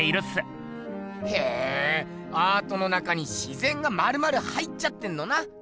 へアートの中に自ぜんがまるまる入っちゃってんのな。